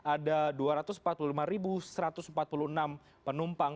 ada dua ratus empat puluh lima satu ratus empat puluh enam penumpang